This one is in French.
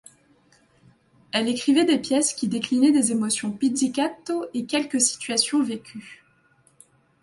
Elle écrivait des pièces qui déclinaient des émotions pizzicato et quelques situations vécues.